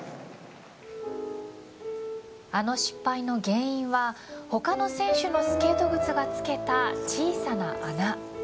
あの失敗の原因は他の選手のスケート靴がつけた小さな穴。